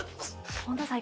本田さん